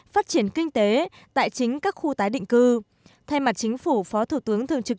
phát triển kinh tế tài chính các khu tái định cư thay mặt chính phủ phó thủ tướng thường trực